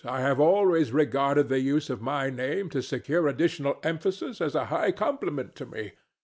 I have always regarded the use of my name to secure additional emphasis as a high compliment to me.